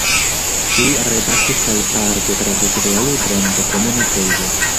Li redaktis kaj parte tradukis "La Libron de Komuna Preĝo.